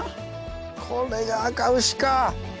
これがあかうしか！